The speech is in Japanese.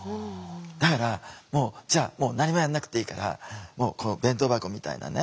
だからもうじゃあ何もやんなくていいからこの弁当箱みたいなね